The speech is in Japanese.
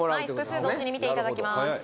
複数同時に見ていただきます